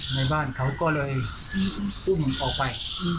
ในบ้านเขาก็เลยอุ้มออกไป